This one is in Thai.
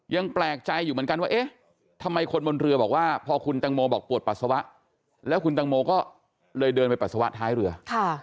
ยังแปลกใจอยู่เหมือนกันว่าเอ๊ะทำไมคนบนเรือบอกว่าพอคุณตังโมบอกปวดปัสสาวะแล้วคุณตังโมก็เลยเดินไปปัสสาวะท้ายเรือ